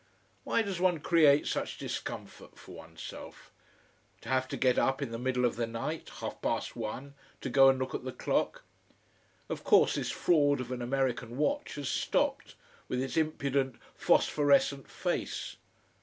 Why does one create such discomfort for oneself! To have to get up in the middle of the night half past one to go and look at the clock. Of course this fraud of an American watch has stopped, with its impudent phosphorescent face.